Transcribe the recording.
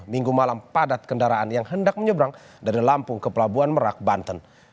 minggu malam padat kendaraan yang hendak menyeberang dari lampung ke pelabuhan merak banten